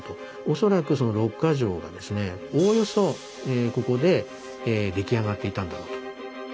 恐らくその６か条がですねおおよそここで出来上がっていたんだろうと。